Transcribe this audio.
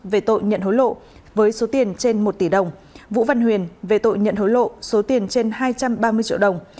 về tội nhận hối lộ với số tiền trên một tỷ đồng vũ văn huyền về tội nhận hối lộ số tiền trên hai trăm ba mươi triệu đồng